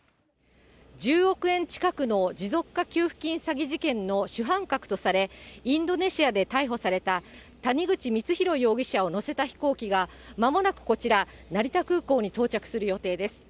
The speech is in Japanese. １０億円近くの持続化給付金詐欺事件の主犯格とされ、インドネシアで逮捕された谷口光弘容疑者を乗せた飛行機が、まもなくこちら、成田空港に到着する予定です。